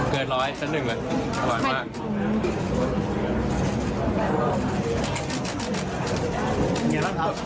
เกิดร้อยชั้นหนึ่งเลยร้อยมาก